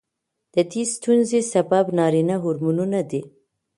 د دې ستونزې سبب نارینه هورمونونه دي.